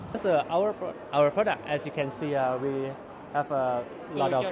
tôi cho rằng hàng hóa thái lan có sự cạnh tranh cao về yếu tố kết lượng và giá cả